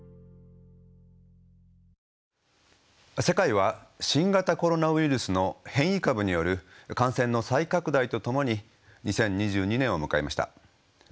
世界は新型コロナウイルスの変異株による感染の再拡大とともに２０２２年を迎えました。